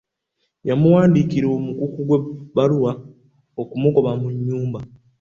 Yamuwandiikira omukuku gw'ebbaluwa okumugoba mu nnyumba.